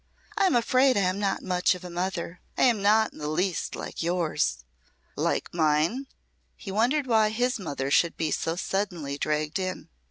I am afraid I am not much of a mother. I am not in the least like yours." "Like mine?" He wondered why his mother should be so suddenly dragged in.